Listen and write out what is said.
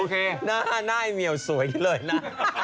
หน้าหน้าเหมียวสวยเลยนะ